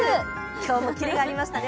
今日もキレがありましたね。